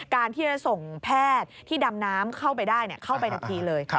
การที่จะส่งแพทย์ที่ดำน้ำเข้าไปได้เข้าไปทันทีเลย